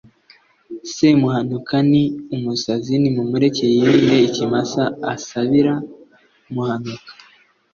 semuhanuka ni umusazi, nimumureke yirire ikimasa! asabira muhanuka